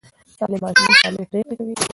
سالم ماشومان سالمې پرېکړې کوي.